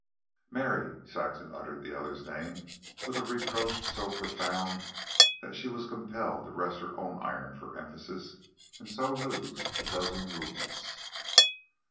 "Mary!" Saxon uttered the other's name with a reproach so profound that she was compelled to rest her own iron for emphasis and so lose a dozen movements.